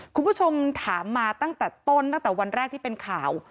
คุณผู้ชมถามมาตั้งแต่ต้นตั้งแต่วันแรกที่เป็นข่าว